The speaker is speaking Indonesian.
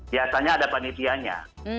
biasanya ada panitianya